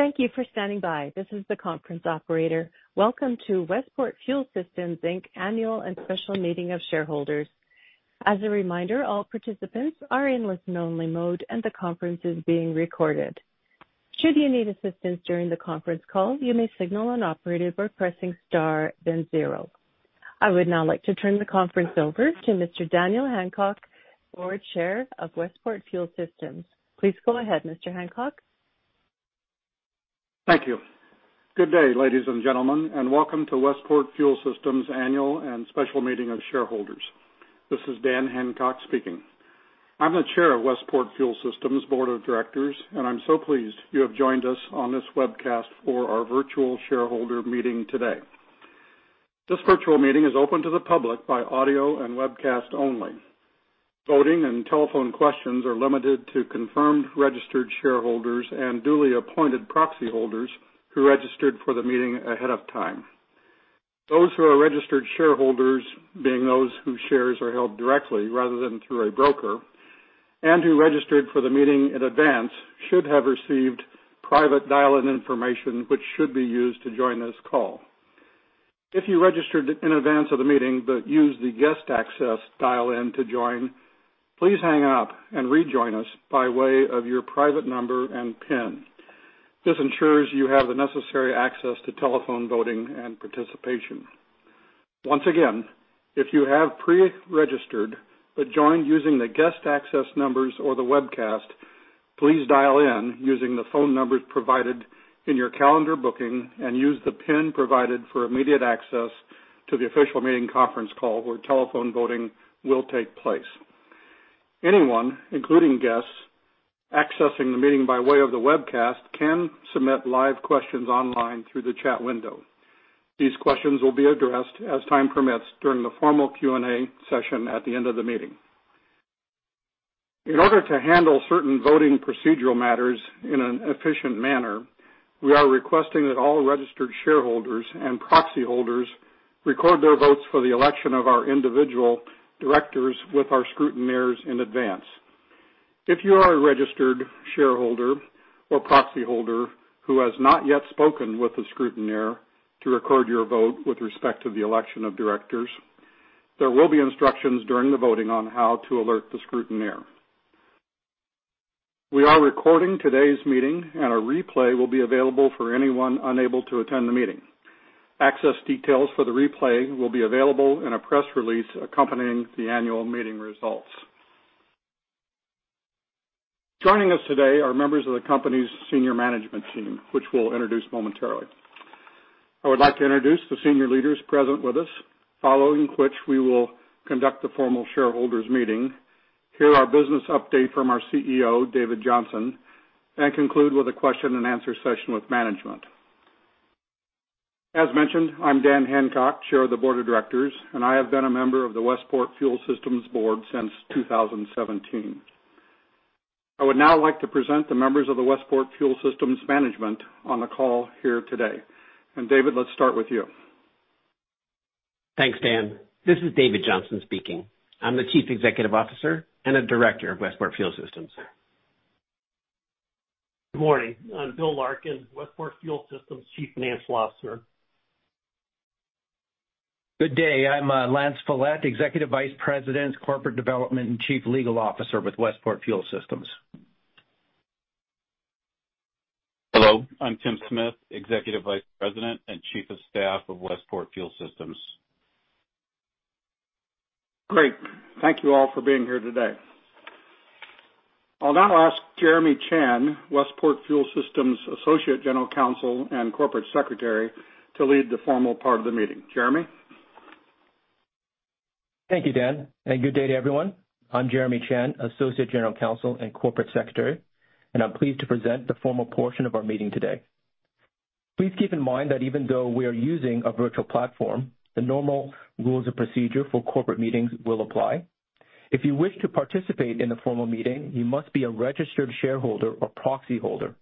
Thank you for standing by. This is the conference operator. Welcome to Westport Fuel Systems Inc Annual and Special Meeting of Shareholders. As a reminder all participants are in listen-only mode and the conference is being recorded. Should you need assistance during the conference call you may signal an operator by pressing star then zero. I would now like to turn the conference over to Mr. Daniel Hancock, Board Chair of Westport Fuel Systems. Please go ahead, Mr. Hancock. Thank you. Good day, ladies and gentlemen, and welcome to Westport Fuel Systems Annual and Special Meeting of Shareholders. This is Dan Hancock speaking. I'm the Chair of Westport Fuel Systems Board of Directors, and I'm so pleased you have joined us on this webcast for our virtual shareholder meeting today. This virtual meeting is open to the public by audio and webcast only. Voting and telephone questions are limited to confirmed registered shareholders and duly appointed proxy holders who registered for the meeting ahead of time. Those who are registered shareholders, being those whose shares are held directly rather than through a broker, and who registered for the meeting in advance, should have received private dial-in information which should be used to join this call. If you registered in advance of the meeting but used the guest access dial-in to join, please hang up and rejoin us by way of your private number and PIN. This ensures you have the necessary access to telephone voting and participation. Once again, if you have pre-registered but joined using the guest access numbers or the webcast, please dial in using the phone numbers provided in your calendar booking and use the PIN provided for immediate access to the official meeting conference call where telephone voting will take place. Anyone, including guests, accessing the meeting by way of the webcast can submit live questions online through the chat window. These questions will be addressed as time permits during the formal Q&A session at the end of the meeting. In order to handle certain voting procedural matters in an efficient manner, we are requesting that all registered shareholders and proxy holders record their votes for the election of our individual directors with our scrutineers in advance. If you are a registered shareholder or proxy holder who has not yet spoken with a scrutineer to record your vote with respect to the election of directors, there will be instructions during the voting on how to alert the scrutineer. We are recording today's meeting and a replay will be available for anyone unable to attend the meeting. Access details for the replay will be available in a press release accompanying the annual meeting results. Joining us today are members of the company's senior management team, which we'll introduce momentarily. I would like to introduce the senior leaders present with us, following which we will conduct the formal shareholders meeting, hear our business update from our CEO, David Johnson, then conclude with a question and answer session with management. As mentioned, I'm Dan Hancock, Chair of the Board of Directors, and I have been a member of the Westport Fuel Systems board since 2017. I would now like to present the members of the Westport Fuel Systems management on the call here today. David, let's start with you. Thanks, Dan. This is David Johnson speaking. I'm the Chief Executive Officer and a Director of Westport Fuel Systems. Good morning. I'm Bill Larkin, Westport Fuel Systems Chief Financial Officer. Good day. I'm Lance Follett, Executive Vice President, Corporate Development and Chief Legal Officer with Westport Fuel Systems. Hello. I'm Tim Smith, Executive Vice President and Chief of Staff of Westport Fuel Systems. Great. Thank you all for being here today. I'll now ask Jeremy Chan, Westport Fuel Systems Associate General Counsel and Corporate Secretary, to lead the formal part of the meeting. Jeremy? Thank you, Dan, and good day everyone. I'm Jeremy Chan, Associate General Counsel and Corporate Secretary, and I'm pleased to present the formal portion of our meeting today. Please keep in mind that even though we are using a virtual platform, the normal rules of procedure for corporate meetings will apply. If you wish to participate in the formal meeting, you must be a registered shareholder or proxy holder,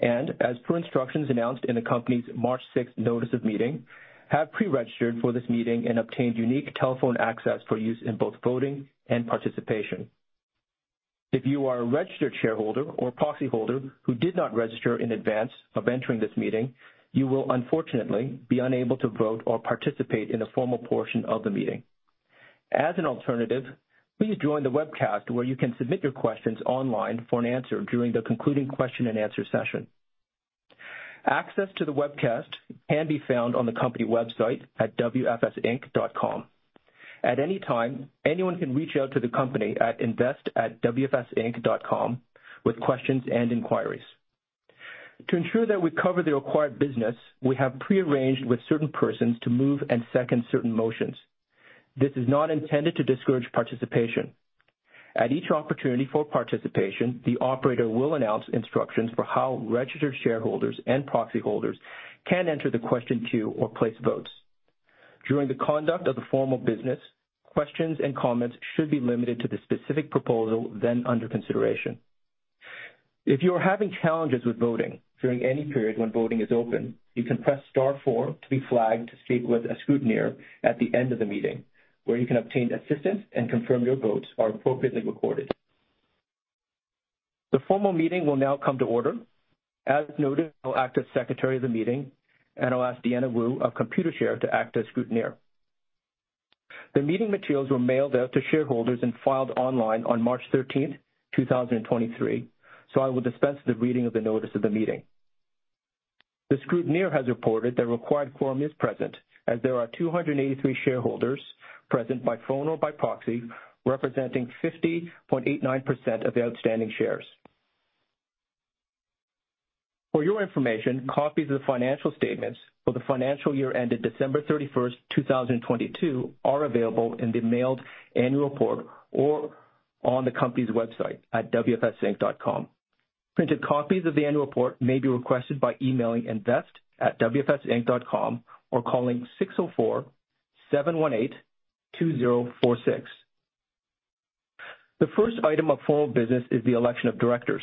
and as per instructions announced in the company's March 6th notice of meeting, have pre-registered for this meeting and obtained unique telephone access for use in both voting and participation. If you are a registered shareholder or proxy holder who did not register in advance of entering this meeting, you will unfortunately be unable to vote or participate in the formal portion of the meeting. As an alternative, please join the webcast where you can submit your questions online for an answer during the concluding question and answer session. Access to the webcast can be found on the company website at wfsinc.com. At any time, anyone can reach out to the company at invest@wfsinc.com with questions and inquiries. To ensure that we cover the required business, we have pre-arranged with certain persons to move and second certain motions. This is not intended to discourage participation. At each opportunity for participation, the operator will announce instructions for how registered shareholders and proxy holders can enter the question queue or place votes. During the conduct of the formal business, questions and comments should be limited to the specific proposal then under consideration. If you are having challenges with voting during any period when voting is open, you can press star four to be flagged to speak with a scrutineer at the end of the meeting, where you can obtain assistance and confirm your votes are appropriately recorded. The formal meeting will now come to order. As noted, I'll act as secretary of the meeting, and I'll ask Deanna Wu of Computershare to act as scrutineer. The meeting materials were mailed out to shareholders and filed online on March 13th, 2023, I will dispense the reading of the notice of the meeting. The scrutineer has reported that a required quorum is present as there are 283 shareholders present by phone or by proxy, representing 50.89% of the outstanding shares. For your information, copies of the financial statements for the financial year ended December 31st, 2022 are available in the mailed Annual Report or on the company's website at wfsinc.com. Printed copies of the annual report may be requested by emailing invest@wfsinc.com or calling 604-718-2046. The first item of formal business is the election of directors.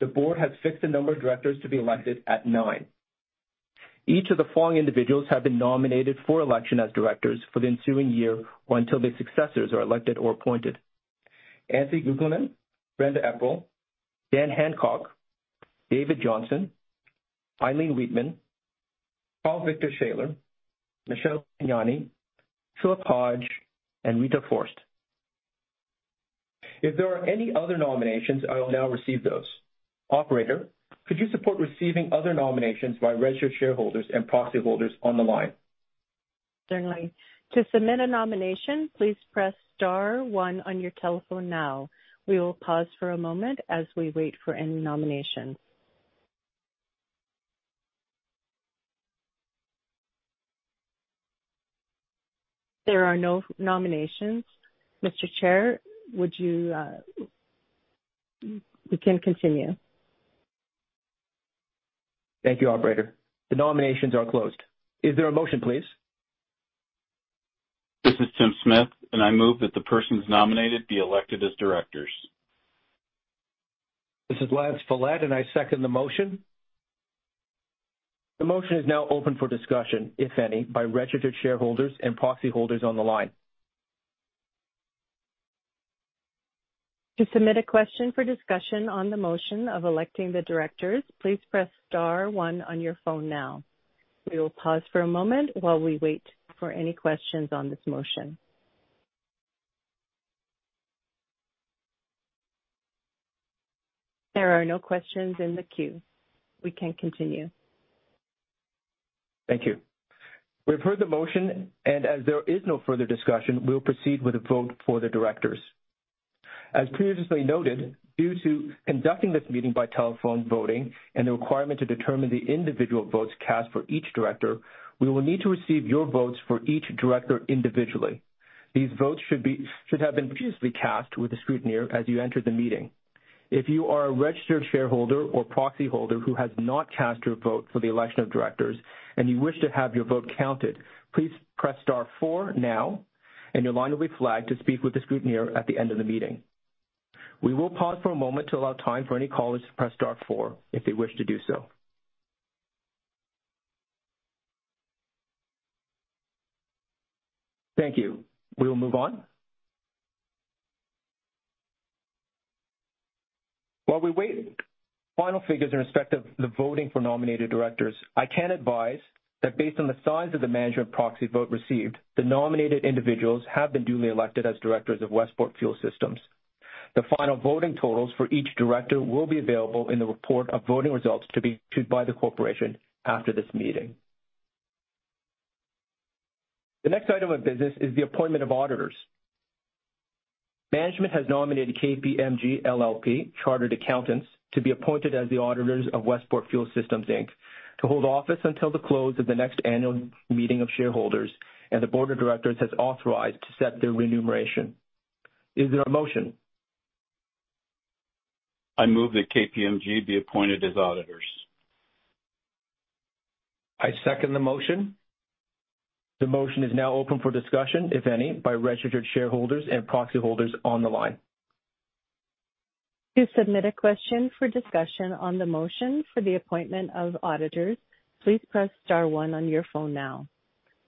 The board has fixed the number of directors to be elected at nine. Each of the following individuals have been nominated for election as directors for the ensuing year or until their successors are elected or appointed. Anthony Guglielmin, Brenda Eprile, Daniel Hancock, David Johnson, Eileen Wheatman, Karl Viktor Schaller, Michele Buchignani, Philip Hodge, and Rita Forst. If there are any other nominations, I will now receive those. Operator, could you support receiving other nominations by registered shareholders and proxy holders on the line? Certainly. To submit a nomination, please press star one on your telephone now. We will pause for a moment as we wait for any nominations. There are no nominations, Mr. Chair. We can continue. Thank you, operator. The nominations are closed. Is there a motion, please? This is Tim Smith, I move that the persons nominated be elected as directors. This is Lance Follett, and I second the motion. The motion is now open for discussion, if any, by registered shareholders and proxy holders on the line. To submit a question for discussion on the motion of electing the directors, please press star one on your phone now. We will pause for a moment while we wait for any questions on this motion. There are no questions in the queue. We can continue. Thank you. We've heard the motion, as there is no further discussion, we'll proceed with a vote for the directors. As previously noted, due to conducting this meeting by telephone voting and the requirement to determine the individual votes cast for each director, we will need to receive your votes for each director individually. These votes should have been previously cast with the scrutineer as you entered the meeting. If you are a registered shareholder or proxy holder who has not cast your vote for the election of directors and you wish to have your vote counted, please press star four now and your line will be flagged to speak with the scrutineer at the end of the meeting. We will pause for a moment to allow time for any callers to press star four if they wish to do so. Thank you. We will move on. While we wait for final figures in respect of the voting for nominated directors, I can advise that based on the size of the management proxy vote received, the nominated individuals have been duly elected as directors of Westport Fuel Systems. The final voting totals for each director will be available in the report of voting results to be issued by the corporation after this meeting. The next item of business is the appointment of auditors. Management has nominated KPMG LLP Chartered Accountants to be appointed as the auditors of Westport Fuel Systems Inc to hold office until the close of the next annual meeting of shareholders, and the board of directors has authorized to set their remuneration. Is there a motion? I move that KPMG be appointed as auditors. I second the motion. The motion is now open for discussion, if any, by registered shareholders and proxy holders on the line. To submit a question for discussion on the motion for the appointment of auditors, please press star one on your phone now.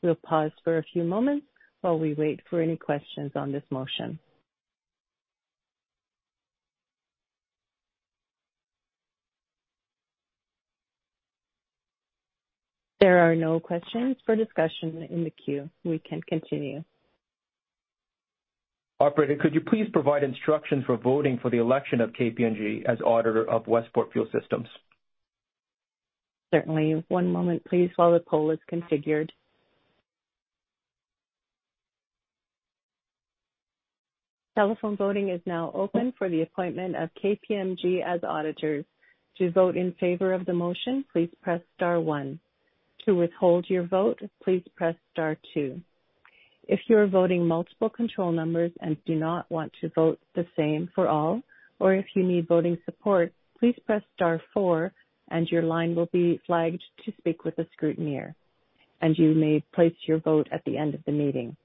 We'll pause for a few moments while we wait for any questions on this motion. There are no questions for discussion in the queue. We can continue. Operator, could you please provide instructions for voting for the election of KPMG as auditor of Westport Fuel Systems? Certainly. One moment, please, while the poll is configured. Telephone voting is now open for the appointment of KPMG as auditors. To vote in favor of the motion, please press star one. To withhold your vote, please press star two. If you are voting multiple control numbers and do not want to vote the same for all, or if you need voting support, please press star four and your line will be flagged to speak with a scrutineer, and you may place your vote at the end of the meeting.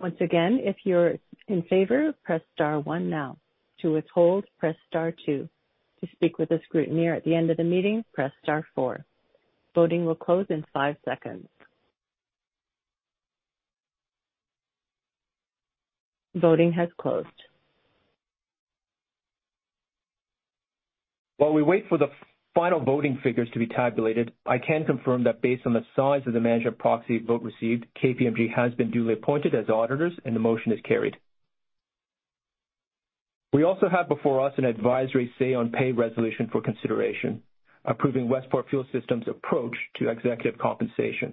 Once again, if you're in favor, press star one now. To withhold, press star two. To speak with a scrutineer at the end of the meeting, press star four. Voting will close in five seconds. Voting has closed. While we wait for the final voting figures to be tabulated, I can confirm that based on the size of the management proxy vote received, KPMG has been duly appointed as auditors, and the motion is carried. We also have before us an advisory Say-on-Pay resolution for consideration, approving Westport Fuel Systems approach to executive compensation.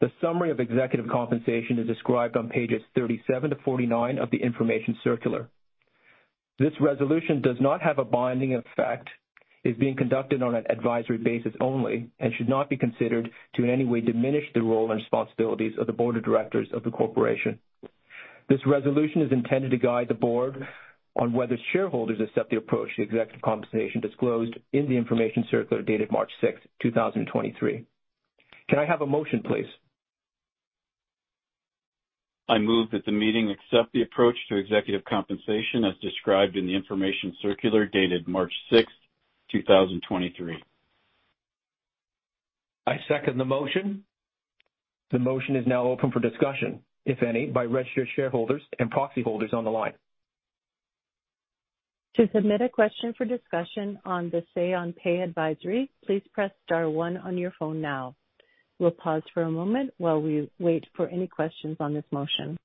The summary of executive compensation is described on pages 37-49 of the information circular. This resolution does not have a binding effect, is being conducted on an advisory basis only, and should not be considered to in any way diminish the role and responsibilities of the Board of Directors of the corporation. This resolution is intended to guide the board on whether shareholders accept the approach to executive compensation disclosed in the information circular dated March 6th, 2023. Can I have a motion, please? I move that the meeting accept the approach to executive compensation as described in the information circular dated March 6th, 2023. I second the motion. The motion is now open for discussion, if any, by registered shareholders and proxy holders on the line. To submit a question for discussion on the Say-on-Pay advisory, please press star one on your phone now. We'll pause for a moment while we wait for any questions on this motion.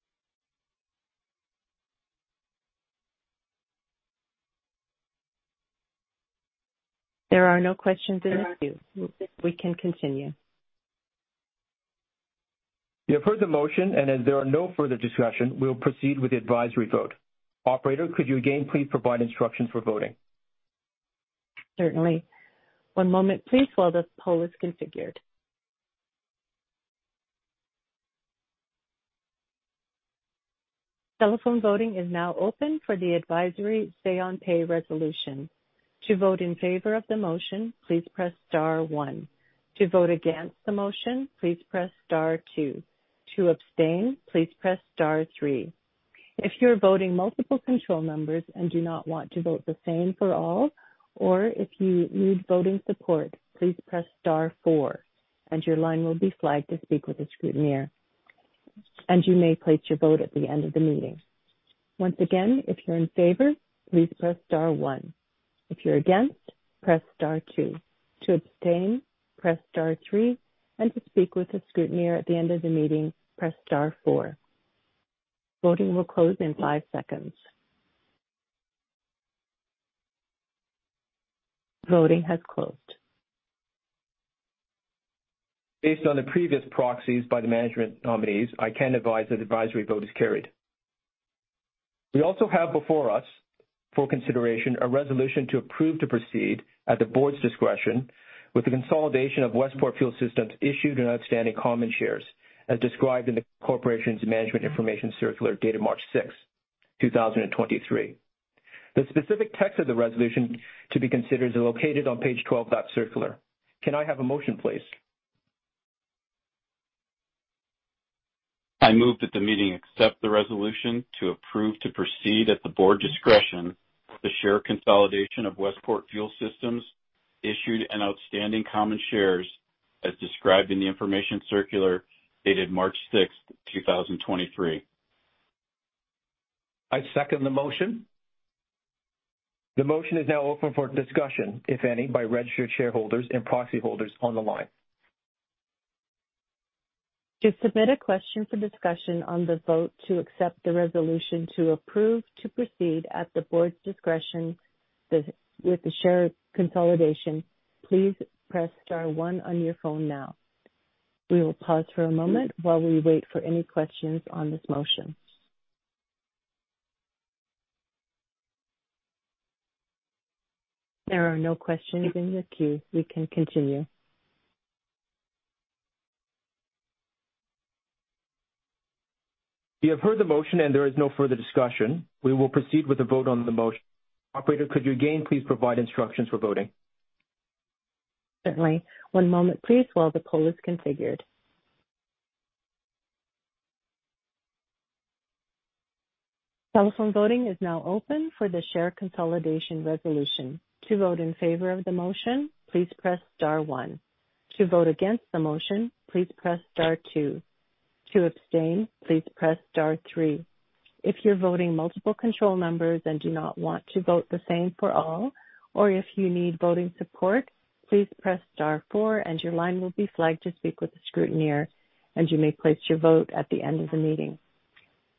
There are no questions in the queue. We can continue. You have heard the motion, and as there are no further discussion, we'll proceed with the advisory vote. Operator, could you again please provide instructions for voting? Certainly. One moment please while the poll is configured. Telephone voting is now open for the advisory Say-on-Pay resolution. To vote in favor of the motion, please press star one. To vote against the motion, please press star two. To abstain, please press star three. If you're voting multiple control numbers and do not want to vote the same for all, or if you need voting support, please press star four and your line will be flagged to speak with a scrutineer, and you may place your vote at the end of the meeting. Once again, if you're in favor, please press star one. If you're against, press star two. To abstain, press star three, and to speak with a scrutineer at the end of the meeting, press star four. Voting will close in five seconds. Voting has closed. Based on the previous proxies by the management nominees, I can advise that advisory vote is carried. We also have before us for consideration a resolution to approve to proceed at the board's discretion with the consolidation of Westport Fuel Systems issued and outstanding common shares as described in the corporation's Management Information Circular dated March 6th, 2023. The specific text of the resolution to be considered is located on page 12 of that circular. Can I have a motion, please? I move that the meeting accept the resolution to approve to proceed at the board discretion with the share consolidation of Westport Fuel Systems issued and outstanding common shares as described in the Information Circular dated March 6th, 2023. I second the motion. The motion is now open for discussion, if any, by registered shareholders and proxy holders on the line. To submit a question for discussion on the vote to accept the resolution to approve to proceed at the board's discretion with the share consolidation, please press star one on your phone now. We will pause for a moment while we wait for any questions on this motion. There are no questions in the queue. We can continue. You have heard the motion and there is no further discussion. We will proceed with a vote on the motion. Operator, could you again please provide instructions for voting? Certainly. One moment please while the poll is configured. Telephone voting is now open for the share consolidation resolution. To vote in favor of the motion, please press star one. To vote against the motion, please press star two. To abstain, please press star three. If you're voting multiple control numbers and do not want to vote the same for all, or if you need voting support, please press star four and your line will be flagged to speak with a scrutineer, and you may place your vote at the end of the meeting.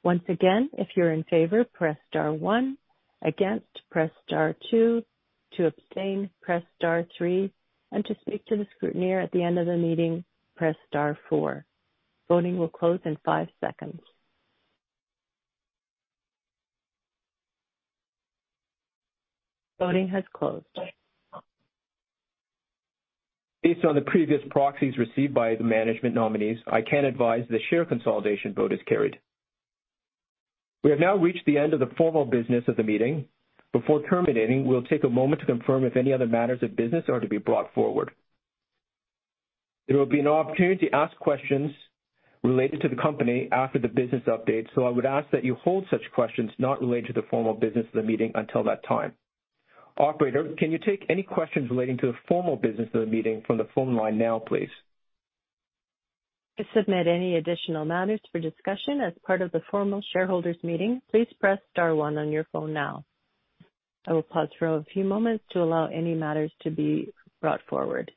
Once again, if you're in favor, press star one. Against, press star two. To abstain, press star three, and to speak to the scrutineer at the end of the meeting, press star four. Voting will close in five seconds. Voting has closed. Based on the previous proxies received by the management nominees, I can advise the share consolidation vote is carried. We have now reached the end of the formal business of the meeting. Before terminating, we will take a moment to confirm if any other matters of business are to be brought forward. There will be an opportunity to ask questions related to the company after the business update. I would ask that you hold such questions not related to the formal business of the meeting until that time. Operator, can you take any questions relating to the formal business of the meeting from the phone line now, please? To submit any additional matters for discussion as part of the formal shareholders meeting, please press star one on your phone now. I will pause for a few moments to allow any matters to be brought forward.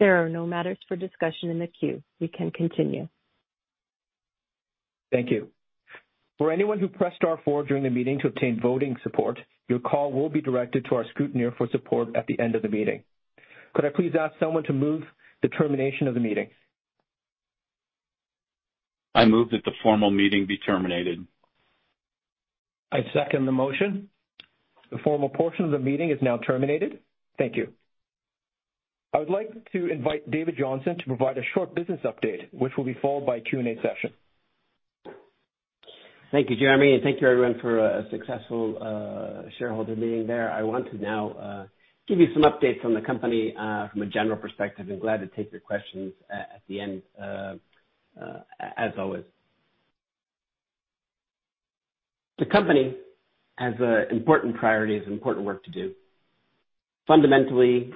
There are no matters for discussion in the queue. We can continue. Thank you. For anyone who pressed star four during the meeting to obtain voting support, your call will be directed to our scrutineer for support at the end of the meeting. Could I please ask someone to move the termination of the meeting? I move that the formal meeting be terminated. I second the motion. The formal portion of the meeting is now terminated. Thank you. I would like to invite David Johnson to provide a short business update, which will be followed by a Q&A session. Thank you, Jeremy, and thank you everyone for a successful shareholder meeting there. I want to now give you some updates on the company from a general perspective and glad to take your questions at the end as always. The company has important priorities and important work to do. Fundamentally,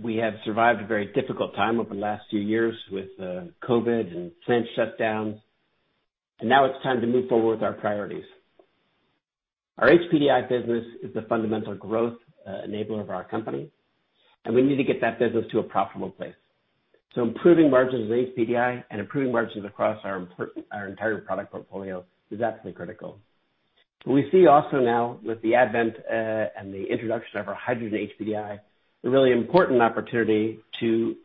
we have survived a very difficult time over the last few years with COVID and plant shutdowns, and now it's time to move forward with our priorities. Our HPDI business is the fundamental growth enabler of our company, and we need to get that business to a profitable place. Improving margins of HPDI and improving margins across our entire product portfolio is absolutely critical. We see also now with the advent and the introduction of our Hydrogen HPDI, a really important opportunity to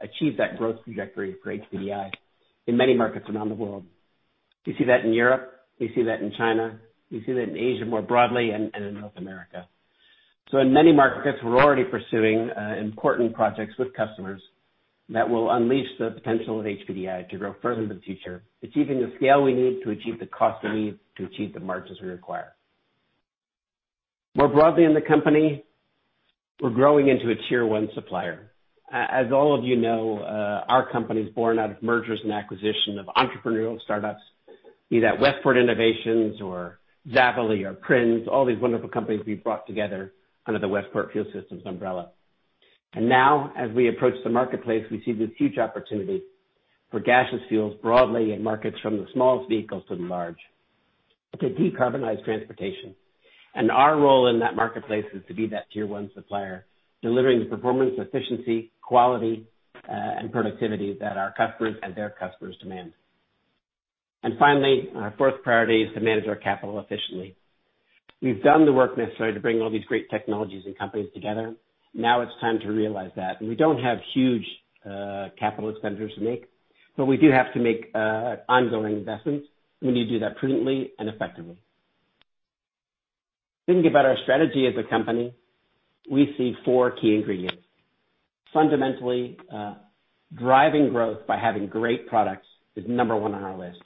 achieve that growth trajectory for HPDI in many markets around the world. You see that in Europe, you see that in China, you see that in Asia more broadly and in North America. In many markets, we're already pursuing important projects with customers that will unleash the potential of HPDI to grow further in the future, achieving the scale we need to achieve the cost we need to achieve the margins we require. More broadly in the company, we're growing into a Tier One supplier. As all of you know, our company is born out of mergers and acquisition of entrepreneurial startups, be that Westport Innovations or Zavoli or Prins, all these wonderful companies we've brought together under the Westport Fuel Systems umbrella. Now as we approach the marketplace, we see this huge opportunity for gaseous fuels broadly in markets from the smallest vehicles to the large to decarbonize transportation. Our role in that marketplace is to be that Tier One supplier, delivering the performance, efficiency, quality, and productivity that our customers and their customers demand. Finally, our fourth priority is to manage our capital efficiently. We've done the work necessary to bring all these great technologies and companies together. Now it's time to realize that. We don't have huge capital expenditures to make, but we do have to make ongoing investments. We need to do that prudently and effectively. Thinking about our strategy as a company, we see four key ingredients. Fundamentally, driving growth by having great products is number one on our list.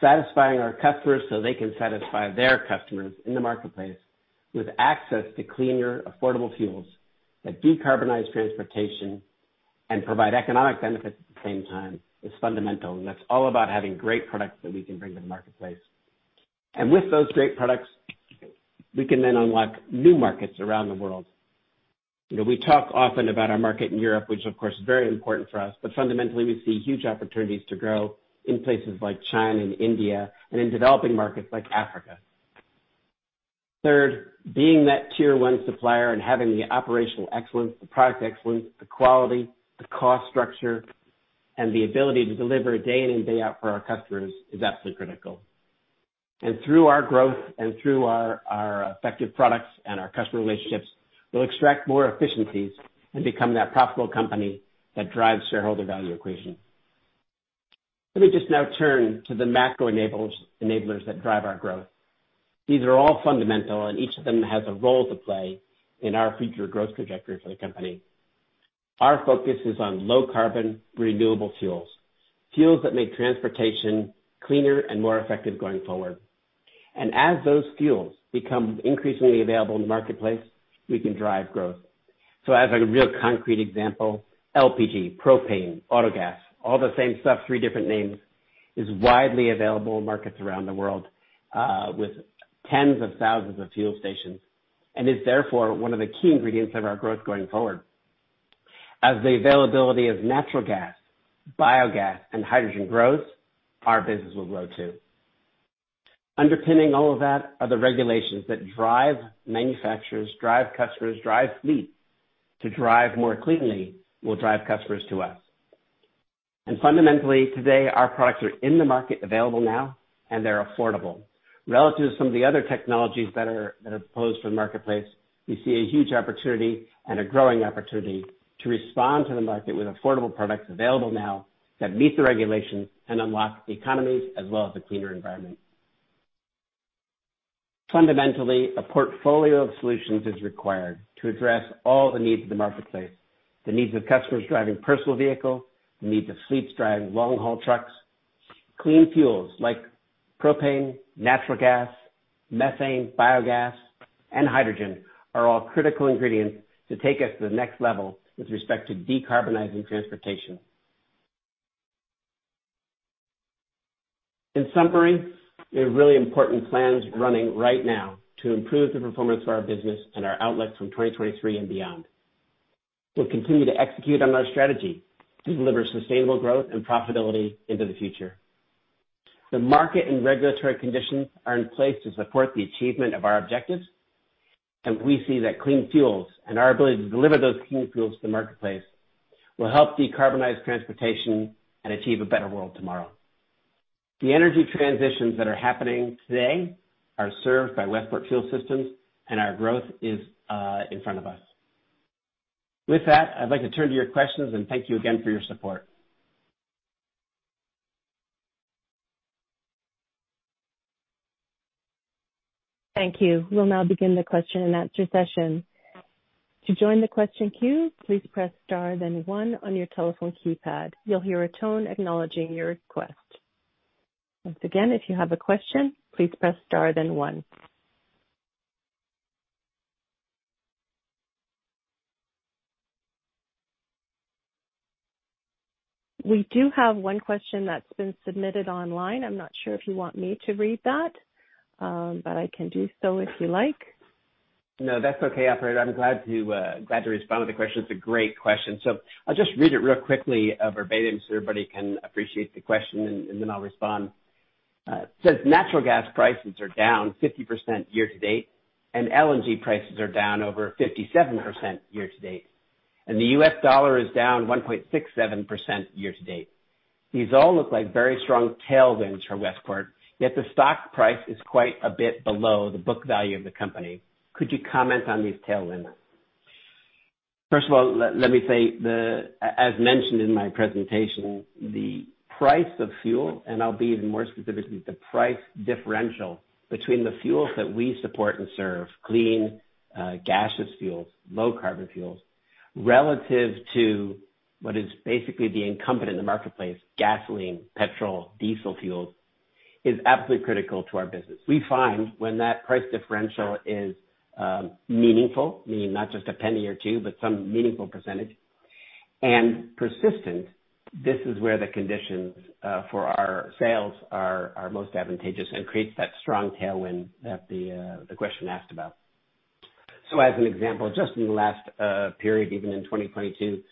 Satisfying our customers so they can satisfy their customers in the marketplace with access to cleaner, affordable fuels that decarbonize transportation and provide economic benefits at the same time is fundamental, and that's all about having great products that we can bring to the marketplace. With those great products, we can then unlock new markets around the world. We talk often about our market in Europe, which of course is very important for us, but fundamentally, we see huge opportunities to grow in places like China and India and in developing markets like Africa. Third, being that Tier One supplier and having the operational excellence, the product excellence, the quality, the cost structure, and the ability to deliver day-in and day-out for our customers is absolutely critical. Through our growth and through our effective products and our customer relationships, we'll extract more efficiencies and become that profitable company that drives shareholder value creation. Let me just now turn to the macro enablers that drive our growth. These are all fundamental, each of them has a role to play in our future growth trajectory for the company. Our focus is on low carbon renewable fuels. Fuels that make transportation cleaner and more effective going forward. As those fuels become increasingly available in the marketplace, we can drive growth. As a real concrete example, LPG, propane, autogas, all the same stuff, three different names, is widely available in markets around the world with tens of thousands of fuel stations and is therefore one of the key ingredients of our growth going forward. As the availability of natural gas, biogas, and hydrogen grows, our business will grow too. Underpinning all of that are the regulations that drive manufacturers, drive customers, drive fleets to drive more cleanly will drive customers to us. Fundamentally, today, our products are in the market available now, and they're affordable. Relative to some of the other technologies that are posed for the marketplace, we see a huge opportunity and a growing opportunity to respond to the market with affordable products available now that meet the regulations and unlock economies as well as a cleaner environment. Fundamentally, a portfolio of solutions is required to address all the needs of the marketplace, the needs of customers driving personal vehicles, the needs of fleets driving long-haul trucks. Clean fuels like propane, natural gas, methane, biogas, and hydrogen are all critical ingredients to take us to the next level with respect to decarbonizing transportation. In summary, there are really important plans running right now to improve the performance of our business and our outlook from 2023 and beyond. We'll continue to execute on our strategy to deliver sustainable growth and profitability into the future. The market and regulatory conditions are in place to support the achievement of our objectives, and we see that clean fuels and our ability to deliver those clean fuels to the marketplace will help decarbonize transportation and achieve a better world tomorrow. The energy transitions that are happening today are served by Westport Fuel Systems, and our growth is in front of us. With that, I'd like to turn to your questions, and thank you again for your support. Thank you. We'll now begin the question and answer session. To join the question queue, please press star then one on your telephone keypad. You'll hear a tone acknowledging your request. Once again, if you have a question, please press star then one. We do have one question that's been submitted online. I'm not sure if you want me to read that, but I can do so if you like. No, that's okay, operator. I'm glad to respond to the question. It's a great question. I'll just read it real quickly verbatim so everybody can appreciate the question, and then I'll respond. Since natural gas prices are down 50% year-to-date and LNG prices are down over 57% year-to-date, and the U.S. dollar is down 1.67% year-to-date, these all look like very strong tailwinds for Westport. The stock price is quite a bit below the book value of the company. Could you comment on these tailwinds? First of all, let me say, as mentioned in my presentation, the price of fuel, and I'll be even more specific, is the price differential between the fuels that we support and serve, clean gaseous fuels, low carbon fuels, relative to what is basically the incumbent in the marketplace, gasoline, petrol, diesel fuels, is absolutely critical to our business. We find when that price differential is meaningful, meaning not just a penny or two, but some meaningful percentage, and persistent, this is where the conditions for our sales are most advantageous and creates that strong tailwind that the question asked about. As an example, just in the last period, even in 2022,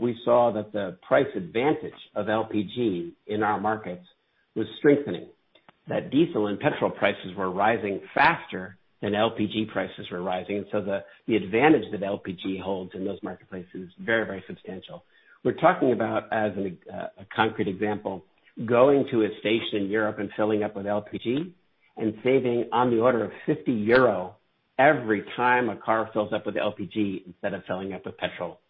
we saw that the price advantage of LPG in our markets was strengthening, that diesel and petrol prices were rising faster than LPG prices were rising. The advantage that LPG holds in those marketplaces is very substantial. We're talking about, as a concrete example, going to a station in Europe and filling up with LPG and saving on the order of €50 every time a car fills up with LPG instead of filling up with petrol.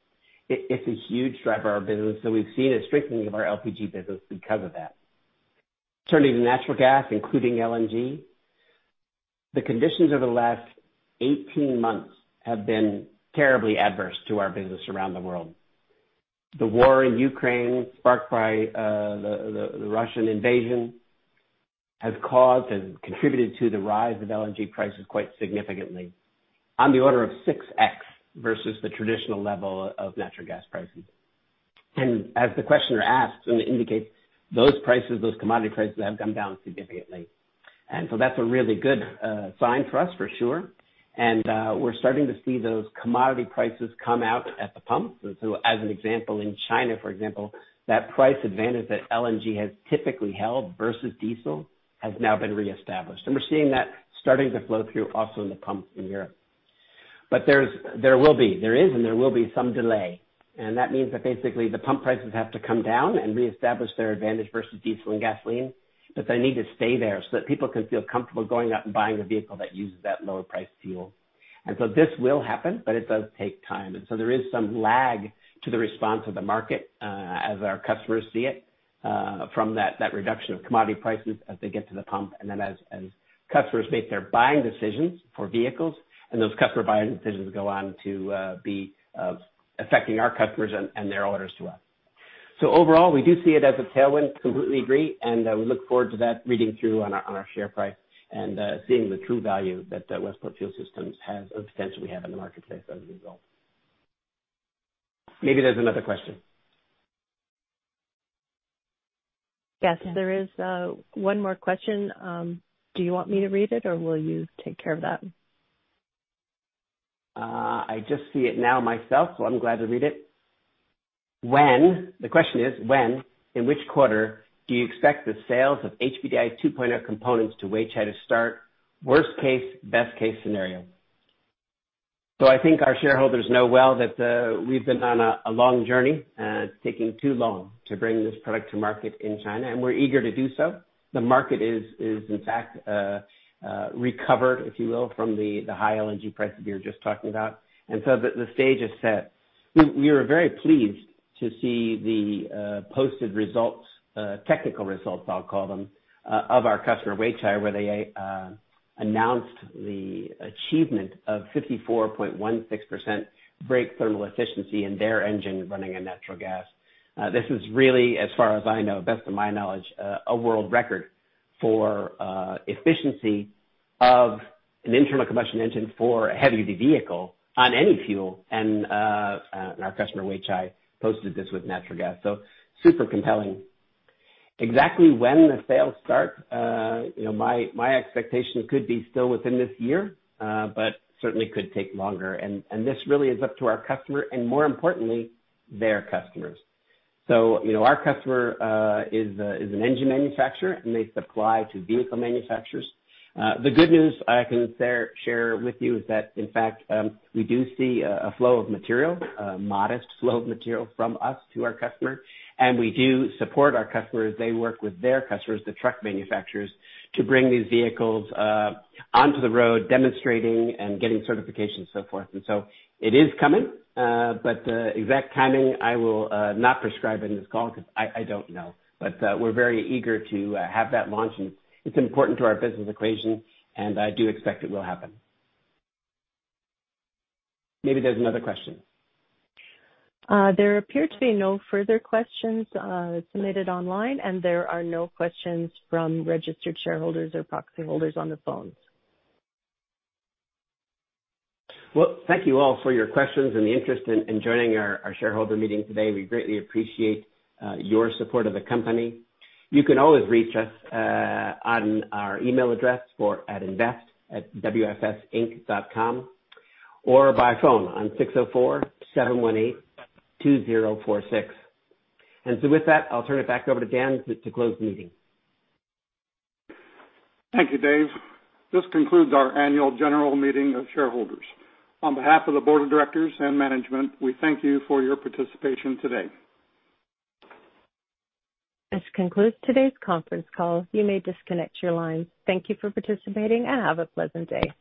It's a huge driver of our business. We've seen a strengthening of our LPG business because of that. Turning to natural gas, including LNG, the conditions over the last 18 months have been terribly adverse to our business around the world. The war in Ukraine sparked by the Russian invasion has caused and contributed to the rise of LNG prices quite significantly on the order of 6x versus the traditional level of natural gas prices. As the questioner asked and indicates, those prices, those commodity prices have come down significantly. That's a really good sign for us for sure. We're starting to see those commodity prices come out at the pumps. As an example, in China, for example, that price advantage that LNG has typically held versus diesel has now been reestablished. We're seeing that starting to flow through also in the pumps in Europe. There is and there will be some delay, and that means that basically the pump prices have to come down and reestablish their advantage versus diesel and gasoline. They need to stay there so that people can feel comfortable going out and buying a vehicle that uses that lower priced fuel. This will happen, but it does take time. There is some lag to the response of the market as our customers see it from that reduction of commodity prices as they get to the pump and then as customers make their buying decisions for vehicles and those customer buying decisions go on to be affecting our customers and their orders to us. Overall, we do see it as a tailwind, completely agree, and look forward to that reading through on our share price and seeing the true value that Westport Fuel Systems has and potentially have in the marketplace as a result. Maybe there is another question. Yes, there is one more question. Do you want me to read it or will you take care of that? I just see it now myself, so I'm glad to read it. The question is: When, in which quarter, do you expect the sales of HPDI 2.0 components to Weichai to start? Worst case/best case scenario. I think our shareholders know well that we've been on a long journey. It's taking too long to bring this product to market in China, and we're eager to do so. The market is in fact recovered, if you will, from the high LNG prices you were just talking about. The stage is set. We were very pleased to see the posted results, technical results I'll call them, of our customer, Weichai, where they announced the achievement of 54.16% brake thermal efficiency in their engine running on natural gas. This is really, as far as I know, best of my knowledge, a world record for efficiency of an internal combustion engine for a heavy-duty vehicle on any fuel. Our customer, Weichai, posted this with natural gas. Super compelling. Exactly when the sales start, my expectation could be still within this year, but certainly could take longer. This really is up to our customer and more importantly, their customers. Our customer is an engine manufacturer, and they supply to vehicle manufacturers. The good news I can share with you is that, in fact, we do see a flow of material, a modest flow of material from us to our customer. We do support our customers. They work with their customers, the truck manufacturers, to bring these vehicles onto the road, demonstrating and getting certification and so forth. It is coming. The exact timing, I will not prescribe in this call because I don't know. We're very eager to have that launch, and it's important to our business equation, and I do expect it will happen. Maybe there's another question. There appear to be no further questions submitted online. There are no questions from registered shareholders or proxy holders on the phone. Well, thank you all for your questions and the interest in joining our shareholder meeting today. We greatly appreciate your support of the company. You can always reach us on our email address at invest@wfsinc.com or by phone on 604-718-2046. With that, I'll turn it back over to Dan to close the meeting. Thank you, Dave. This concludes our annual general meeting of shareholders. On behalf of the board of directors and management, we thank you for your participation today. This concludes today's conference call. You may disconnect your line. Thank you for participating, and have a pleasant day.